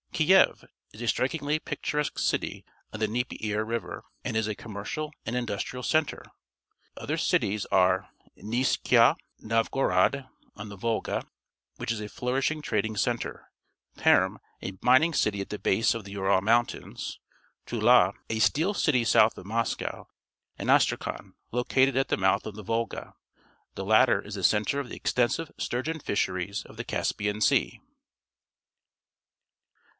Kiev is a strikingly pic turesque city on t he Dnieper River and is a commercial and industrial centre. Other cities are A'izhni Novgorod, on the Volga, which is a flourisliing trading centre, Perm, a mining city at the base of the Ural Moun tains, Tula, a steel city south of Moscow, and Astrakhan, located at the mouth of the "\'olga. I'he latter is the centre of the ex tensive stucgeon fishei'ies of the Caspian Sea.